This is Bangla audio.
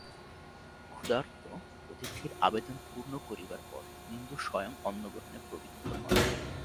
ক্ষুধার্ত অতিথির আবেদন পূর্ণ করিবার পর হিন্দু স্বয়ং অন্নগ্রহণে প্রবৃত্ত হন।